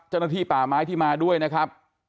เจ้าหน้าที่ป่าไม้ที่มาด้วยนะครับ